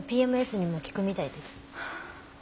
ＰＭＳにも効くみたいです。